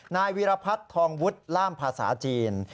นายวีรพัฒน์ทองวุฒิล่ามภาษาจีน